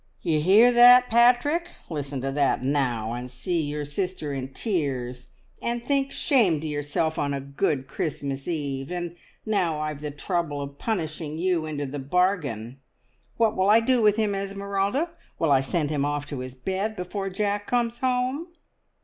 "Ye hear that, Patrick? Listen to that, now, and see your sister in tears, and think shame to yourself on a good Christmas Eve. And now I've the trouble of punishing you into the bargain. What will I do with him, Esmeralda? Will I send him off to his bed before Jack comes home?"